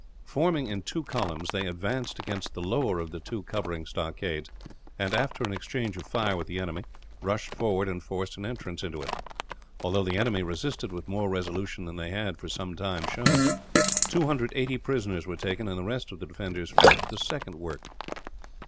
Forming in two columns, they advanced against the lower of the two covering stockades and, after an exchange of fire with the enemy, rushed forward and forced an entrance into it; although the enemy resisted with more resolution than they had, for some time, shown. 280 prisoners were taken, and the rest of the defenders fled to the second work.